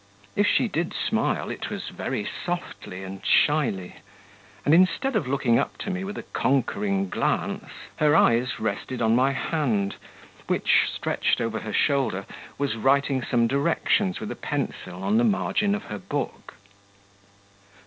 If she did smile, it was very softly and shyly; and instead of looking up to me with a conquering glance, her eyes rested on my hand, which, stretched over her shoulder, was writing some directions with a pencil on the margin of her book.